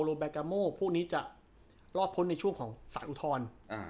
แล้วก็พวกนี้จะลอดพ้นในช่วงของสารอุทธรอืม